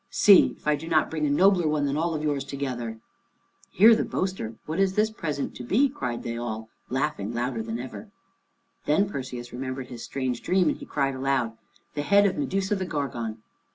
See if I do not bring a nobler one than all of yours together!" "Hear the boaster! What is the present to be?" cried they all, laughing louder than ever. Then Perseus remembered his strange dream, and he cried aloud, "The head of Medusa the Gorgon!"